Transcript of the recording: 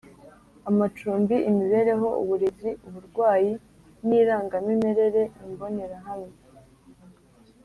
amacumbi imibereho uburezi uburwayi n irangamimerere Imbonerahamwe